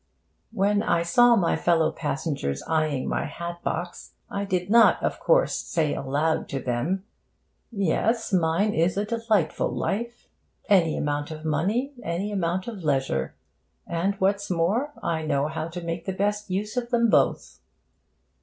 When I saw my fellow passengers eyeing my hat box, I did not, of course, say aloud to them, 'Yes, mine is a delightful life! Any amount of money, any amount of leisure! And, what's more, I know how to make the best use of them both!'